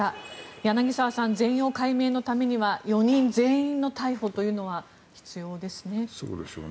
柳澤さん、全容解明のためには４人全員の逮捕というのは必要ですね。